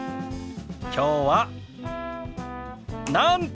きょうはなんと！